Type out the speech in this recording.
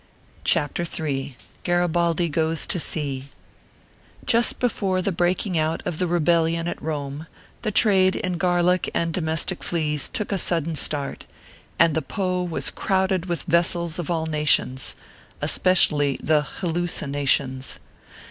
CHAPTER III. GARIBALDI GOES TO SEA. Just before the breaking out of the rebellion at Rome, the trade in garlic and domestic fleas took a sudden start, and the Po was crowded with vessels of all nations especially the halluci nations.